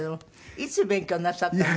いつ勉強なさったんで。